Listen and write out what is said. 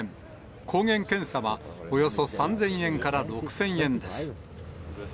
抗原検査はおよそ３０００円から６０００円です。